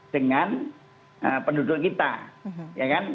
dengan penduduk kita ya kan